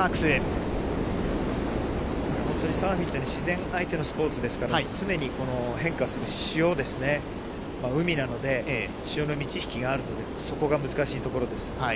本当にサーフィンというのは、自然相手のスポーツですから、常に変化する潮ですね、海なので、潮の満ち引きがあるので、そこが難しいところです。